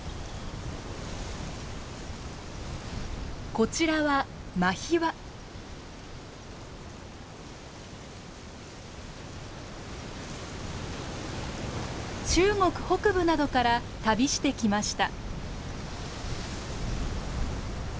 こちらは中国北部などから旅してきました。